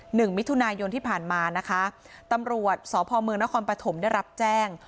หนึ่งมิถุนายนที่ผ่านมานะคะตำรวจสพมนครปฐมได้รับแจ้ง